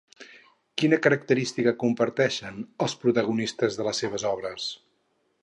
Quina característica comparteixen els protagonistes de les seves obres?